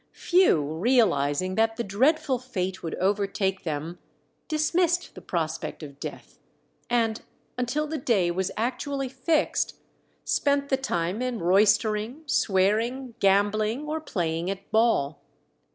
Few realizing that the dreadful fate would overtake them, dismissed the prospect of death, and until the day was actually fixed, spent the time in roystering, swearing, gambling, or playing at ball.